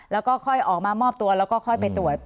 แล้วก็ค่อยออกมามอบตัวแล้วก็ค่อยไปตรวจ